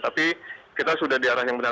tapi kita sudah diarah yang benar